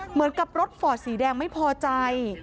เหมือนกับรถฟอร์ดสีแดงไม่พอใจ